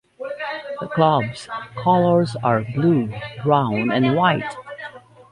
The club's colours are blue, brown and white.